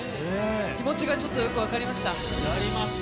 気持ちがちょっとよく分かりましやりました。